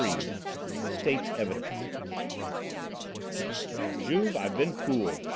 XXIII "STATES EVIDENCE" "Juve, I've been fooled."